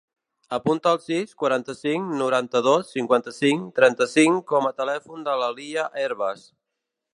Apunta el sis, quaranta-cinc, noranta-dos, cinquanta-cinc, trenta-cinc com a telèfon de l'Alia Hervas.